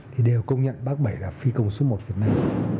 thì đều công nhận bác bảy là phi công số một việt nam